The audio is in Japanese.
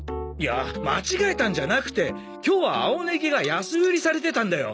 いや間違えたんじゃなくて今日は青ネギが安売りされてたんだよ。